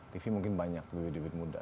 tv mungkin banyak lebih lebih mudah